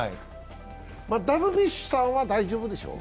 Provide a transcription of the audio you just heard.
ダルビッシュさんは大丈夫でしょう？